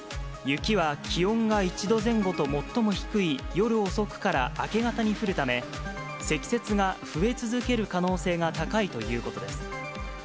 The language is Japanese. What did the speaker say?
雪は気温が１度前後と最も低い夜遅くから明け方に降るため、積雪が増え続ける可能性が高いということです。